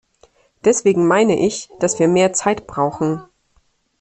Deswegen meine ich, dass wir mehr Zeit brauchen.